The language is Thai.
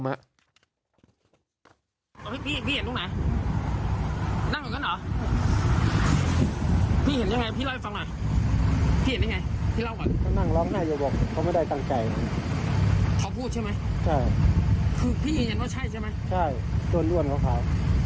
คือพี่เห็นว่าใช่ใช่ไหมใช่ส่วนล่วนของเขา